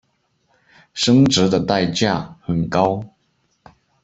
生殖的代价很高。